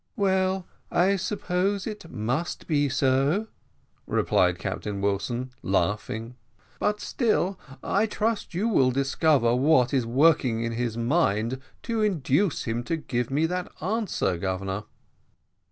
"Well, I suppose it must be so," replied Captain Wilson, laughing; "but still, I trust, you will discover what is working in his mind to induce him to give me that answer, Governor."